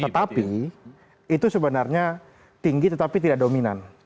tetapi itu sebenarnya tinggi tetapi tidak dominan